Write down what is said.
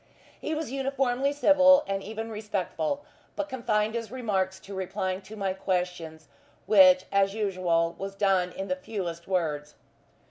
He was uniformly civil, and even respectful, but confined his remarks to replying to my questions, which, as usual, was done in the fewest words.